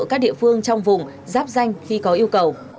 các địa phương trong vùng giáp danh khi có yêu cầu